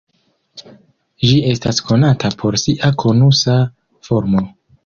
Ĝi estas konata por sia konusa formo.